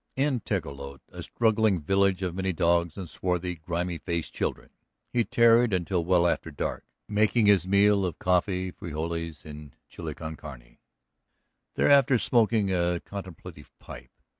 In Tecolote, a straggling village of many dogs and swarthy, grimy faced children, he tarried until well after dark, making his meal of coffee, frijoles, and chili con carne, thereafter smoking a contemplative pipe.